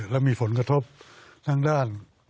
และมีผลกระทบทางด้าน